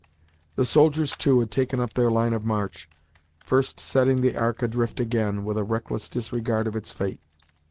The soldiers, too, had taken up their line of march, first setting the Ark adrift again, with a reckless disregard of its fate.